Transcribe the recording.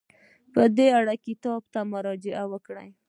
په دې اړه کتاب ته مراجعه وکړئ.